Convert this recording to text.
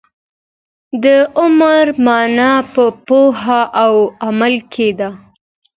د عمر مانا په پوهه او عمل کي ده.